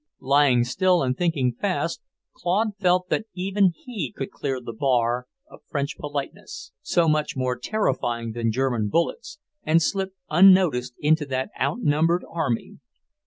Lying still and thinking fast, Claude felt that even he could clear the bar of French "politeness" so much more terrifying than German bullets and slip unnoticed into that outnumbered army.